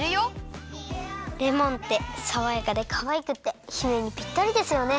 レモンってさわやかでかわいくって姫にぴったりですよね。